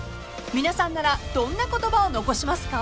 ［皆さんならどんな言葉を残しますか？］